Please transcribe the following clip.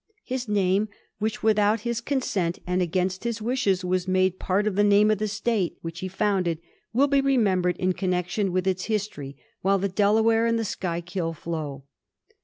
His name, which without his consent and against his vsdshes was made part f the name of the State which he founded, will be remembered in connection with its history while the Delaware and the Schuylkill flow.